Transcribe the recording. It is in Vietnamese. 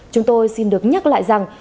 chúng tôi xin được nhắc lại rằng